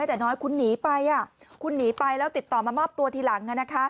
แต่น้อยคุณหนีไปคุณหนีไปแล้วติดต่อมามอบตัวทีหลัง